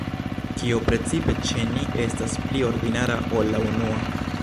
Kio precipe ĉe ni estas pli ordinara ol la unua?